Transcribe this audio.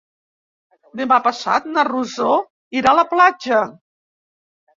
Demà passat na Rosó irà a la platja.